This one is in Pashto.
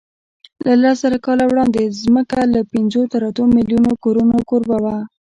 له لسزره کاله وړاندې ځمکه له پینځو تر اتو میلیونو کورونو کوربه وه.